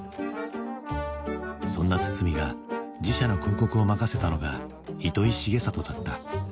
そんな堤が自社の広告を任せたのが糸井重里だった。